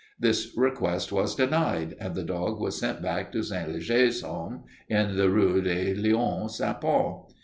This request was denied and the dog was sent back to St. Leger's home in the Rue des Lions St. Paul.